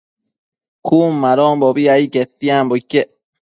Cun madonbo ai quetianbo iquec